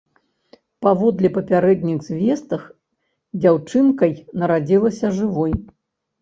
Паводле папярэдніх звестак, дзяўчынкай нарадзілася жывой.